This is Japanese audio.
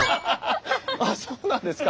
ああそうなんですか。